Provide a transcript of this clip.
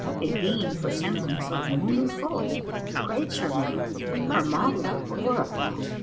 A being for semblance like Moon at full * Praise her Maker, her Modeller glorify!